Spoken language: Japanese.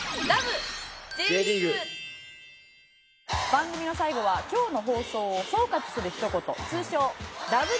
番組の最後は今日の放送を総括するひと言通称ラブ！！